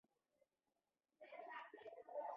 تر نولسمې پېړۍ نیمايي پورې کتاب د لاس په واسطه لیکل کېده.